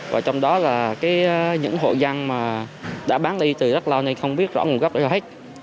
và trong đó là những hộ dân đã bán đi từ rất lâu nay không biết rõ nguồn gốc để cho hết